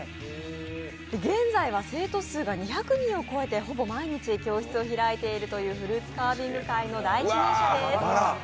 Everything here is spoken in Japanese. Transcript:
現在は生徒数が３００人を超えているというフルーツカービング界の第一人者です。